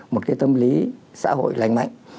một cái tâm lý xã hội lành mạnh